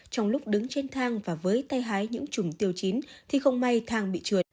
trong lúc đứng trên thang và với tay hái những chùm tiêu chín thì không may thang bị trượt